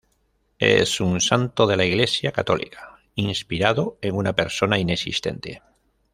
Es un santo de la iglesia católica inspirado en una persona inexistente.